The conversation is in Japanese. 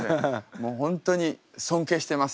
もう本当に尊敬してます。